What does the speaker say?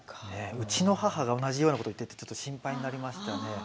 うちの母が同じようなことを言っていて心配になりましたね。